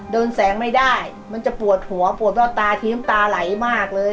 แสงไม่ได้มันจะปวดหัวปวดว่าตาทีน้ำตาไหลมากเลย